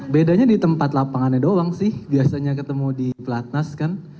bedanya di tempat lapangannya doang sih biasanya ketemu di platnas kan